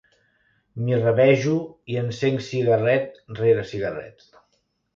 M'hi rabejo i encenc cigarret rere cigarret.